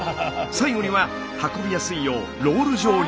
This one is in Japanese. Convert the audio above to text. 最後には運びやすいようロール状に。